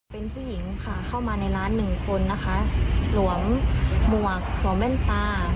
เป็นผู้หญิงค่ะเข้ามาในร้านหนึ่งคนนะคะสวมหมวกสวมแว่นตา